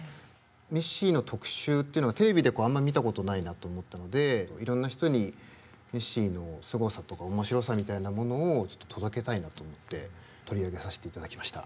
ミッシーの特集ってのはテレビであんま見たことないなと思ったのでいろんな人にミッシーのすごさとか面白さみたいなものをちょっと届けたいなと思って取り上げさせていただきました。